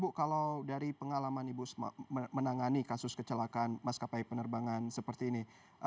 bu kalau dari pengalaman ibu menangani kasus kecelakaan maskapai penerbangan seperti ini